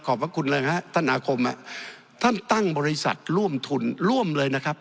พระคุณเลยฮะท่านอาคมท่านตั้งบริษัทร่วมทุนร่วมเลยนะครับ